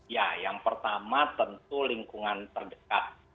ya yang pertama tentu lingkungan terdekat